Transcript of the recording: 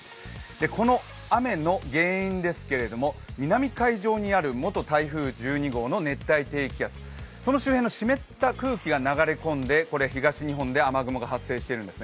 この雨の原因ですけれども、南海上にある元台風１２号の熱帯低気圧、その周辺の湿った空気が流れ込んで湿った雨雲が発生しています。